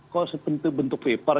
kok sebentuk bentuk paper